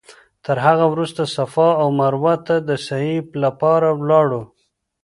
تر هغه وروسته صفا او مروه ته د سعې لپاره لاړو.